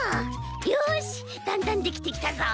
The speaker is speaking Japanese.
よしだんだんできてきたぞ！